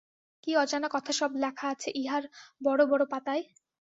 কি অজানা কথা সব লেখা আছে ইহার বড় বড় পাতায়?